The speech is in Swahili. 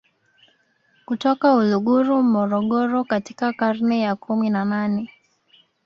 kutoka Uluguru Morogoro katika karne ya kumi na nane